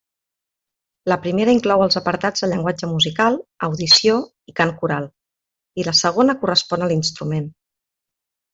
La primera inclou els apartats de llenguatge musical, audició i cant coral, i la segona correspon a l'instrument.